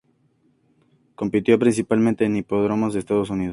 Compitió principalmente en hipódromos de Estados Unidos.